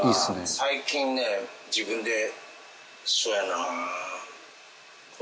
最近ね自分でそうやな。